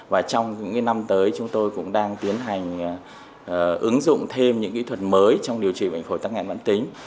và trong những năm tới chúng tôi cũng đang tiến hành ứng dụng thêm những kỹ thuật mới trong điều trị bệnh phổi tăng ngạn bản tính